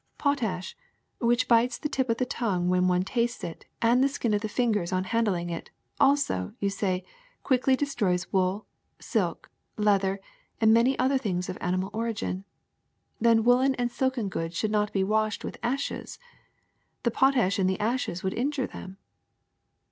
''*^ Potash, which bites the tip of the tongue when one tastes it, and the skin of the fingers on handling it, also, you say, quickly destroys wool, silk, leather and many other things of animal origin. Then, woolen and silk goods should not be washed with ashes: the potash in the ashes would injure them."